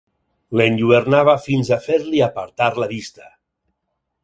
L'enlluernava fins a fer-li apartar la vista.